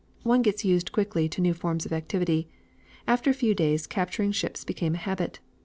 One gets used quickly to new forms of activity. After a few days, capturing ships became a habit.